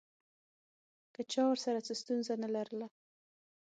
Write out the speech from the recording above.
که چا ورسره څه ستونزه نه لرله.